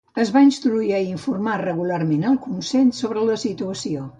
Es va instruir a informar regularment al Consell sobre la situació.